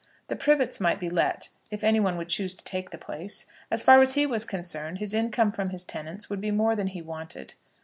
The Privets might be let if any would choose to take the place. As far as he was concerned his income from his tenants would be more than he wanted.